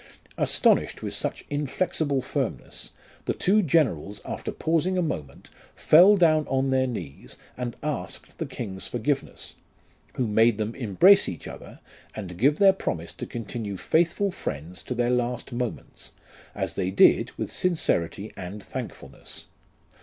"Astonished with such inflexible firmness, the two generals after pausing a moment, fell down on their knees, and asked the king's forgiveness, who made them embrace each other, and give their promise to continue faithful friends to their last moments, as they did with sincerity and thankfulness."